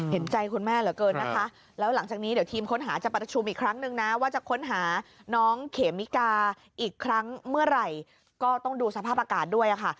เห็นใจคุณแม่เหลือเกินนะคะแล้วหลังจากนี้เดี๋ยวทีมค้นหาจะประชุมอีกครั้งนึงนะว่าจะค้นหาน้องเขมิกาอีกครั้งเมื่อไหร่ก็ต้องดูสภาพอากาศด้วยค่ะ